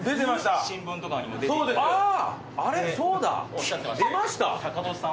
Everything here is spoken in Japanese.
おっしゃってまして。